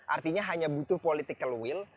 artinya hanya butuh political will